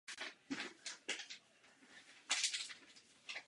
Solitérní dominantní strom je veřejně přístupný.